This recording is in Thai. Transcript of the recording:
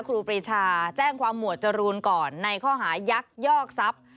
ครูปรีชาแจ้งความหมวดจรูนก่อนในข้อหายักยอกทรัพย์